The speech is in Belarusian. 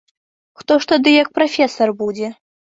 Хто ж тады як прафесар будзе?